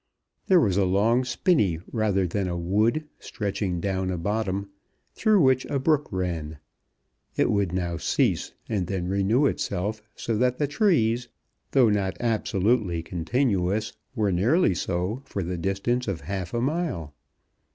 There was a long spinney rather than a wood stretching down a bottom, through which a brook ran. It would now cease, and then renew itself, so that the trees, though not absolutely continuous, were nearly so for the distance of half a mile.